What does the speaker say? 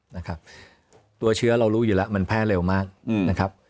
นะครับตัวเชื้อเรารู้อยู่แล้วมันแพร่เร็วมากนะครับ